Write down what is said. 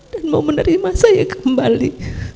dan mau menerima saya kembali